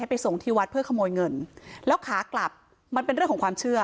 ไปส่งที่วัดเพื่อขโมยเงินแล้วขากลับมันเป็นเรื่องของความเชื่อ